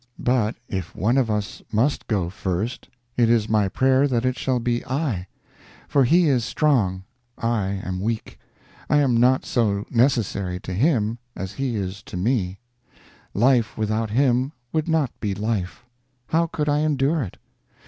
But if one of us must go first, it is my prayer that it shall be I; for he is strong, I am weak, I am not so necessary to him as he is to me life without him would not be life; how could I endure it?